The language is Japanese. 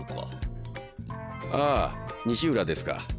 あ西浦ですか。